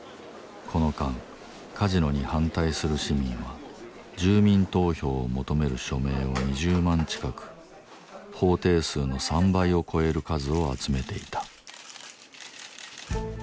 この間カジノに反対する市民は住民投票を求める署名を２０万近く法定数の３倍を超える数を集めていた。